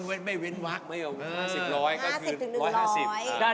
เว้นไม่เว้นวักไม่เอา